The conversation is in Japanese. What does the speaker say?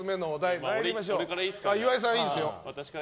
岩井さん、お題いいですよ。